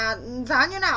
à giá như nào ạ